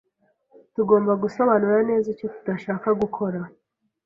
Tugomba gusobanura neza icyo tudashaka gukora